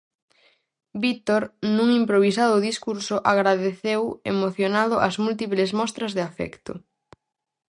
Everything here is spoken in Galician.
Vítor, nun improvisado discurso, agradeceu emocionado as múltiples mostras de afecto.